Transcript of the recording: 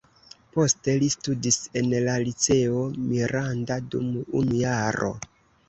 Poste li studis en la "Liceo Miranda" dum unu jaro.